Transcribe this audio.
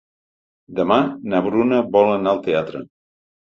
Demà na Bruna vol anar al teatre.